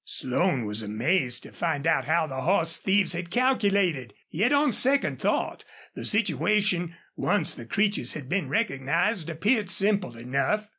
Slone was amazed to find how the horse thieves had calculated; yet, on second thought, the situation, once the Creeches had been recognized, appeared simple enough.